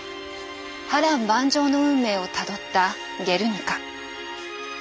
波乱万丈の運命をたどった「ゲルニカ」。